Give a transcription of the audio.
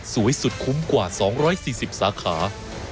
สุดคุ้มกว่า๒๔๐สาขา